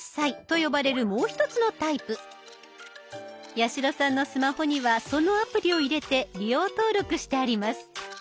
八代さんのスマホにはそのアプリを入れて利用登録してあります。